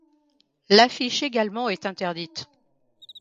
L'affiche également est interdite.